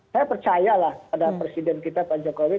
saya percaya lah pada presiden kita pak jokowi